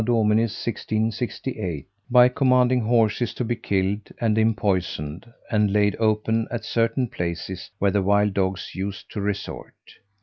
D. 1668, by commanding horses to be killed, and empoisoned, and laid open at certain places where the wild dogs used to resort.